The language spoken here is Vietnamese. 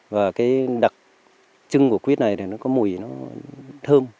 và đặc trưng của quýt này là có mùi thơm